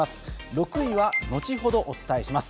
６位は後ほどお伝えします。